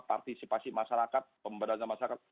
partisipasi masyarakat pemberantasan masyarakat